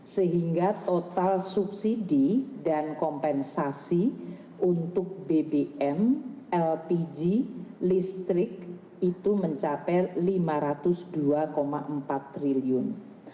sehingga total subsidi dan kompensasi untuk bbm lpg listrik itu mencapai rp lima ratus dua empat triliun